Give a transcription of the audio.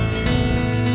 oke sampai jumpa